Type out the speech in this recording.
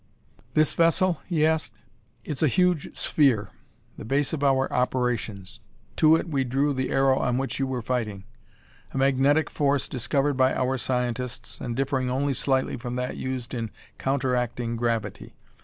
"This vessel?" he asked. "It's a huge sphere; the base of our operations. To it we drew the aero on which you were fighting. A magnetic force discovered by our scientists and differing only slightly from that used in counteracting gravity.